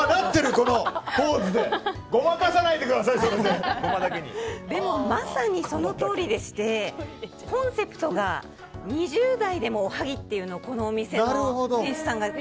このポーズでまさにそのとおりでしてコンセプトが２０代でもおはぎというのがこのお店の店主さんが。